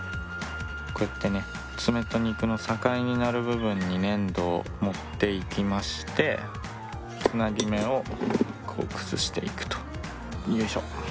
こうやってね爪と肉の境になる部分に粘土を盛っていきましてつなぎ目をこう崩していくとよいしょ。